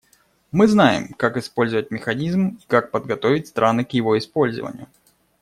Мы знаем, как использовать механизм и как подготовить страны к его использованию.